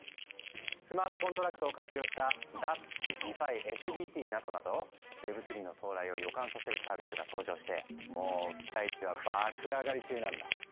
スマートコントラクトを活用したＤａｐｐｓＤｅＦｉＳＢＴなどなどＷｅｂ３の到来を予感させるサービスが登場してもう期待値は爆上がり中なんだ。